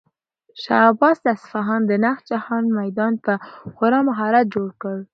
شاه عباس د اصفهان د نقش جهان میدان په خورا مهارت جوړ کړ.